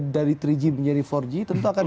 dari tiga g menjadi empat g tentu akan